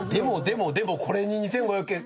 でもこれに２，５００円。